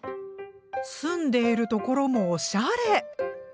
住んでいる所もおしゃれ！